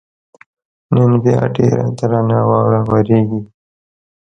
نن بیا ډېره درنه واوره ورېږي.